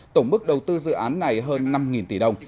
tổng mức đầu tư dự án này hơn năm tỷ đồng